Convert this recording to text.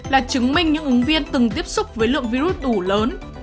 là chứng minh những ứng viên từng tiếp xúc với lượng virus đủ lớn